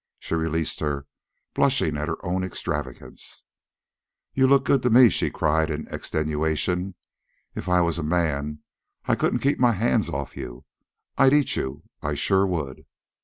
She released her, blushing at her own extravagance. "You look good to me," she cried, in extenuation. "If I was a man I couldn't keep my hands off you. I'd eat you, I sure would."